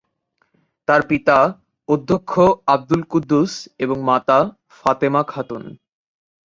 তার পিতা অধ্যক্ষ আব্দুল কুদ্দুস এবং মাতা ফাতেমা খাতুন।